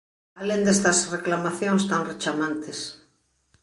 Alén destas reclamacións tan rechamantes.